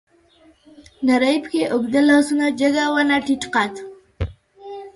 نرۍ پښې، اوږده لاسونه، جګه ونه، ټيټ قد